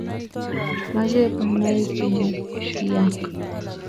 machei konai kinekiiyaak